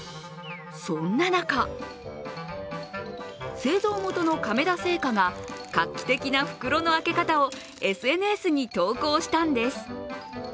そんな中、製造元の亀田製菓が画期的な袋の開け方をＳＮＳに投稿したんです。